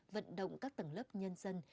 vận động các tầng lớp nhân dân